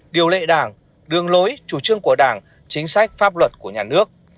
điều lệ đảng đường lối chủ trương của đảng chính sách pháp luật của nhà nước